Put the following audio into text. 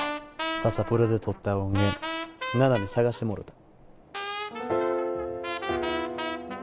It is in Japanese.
ササプロで録った音源奈々に探してもろた。